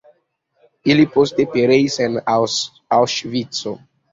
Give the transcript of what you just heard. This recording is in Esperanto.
Ili poste pereis en Aŭŝvico.